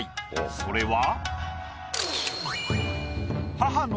それは。